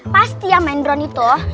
pasti ya main drone itu